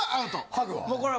ハグは？